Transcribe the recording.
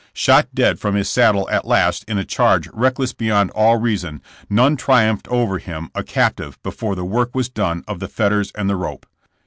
Shot dead from his saddle at last in a charge reckless beyond all reason, none triumphed over him a captive before the work was done of the fetters and the rope.